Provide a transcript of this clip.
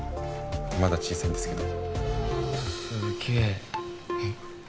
まだ小さいんですけどすげええっ？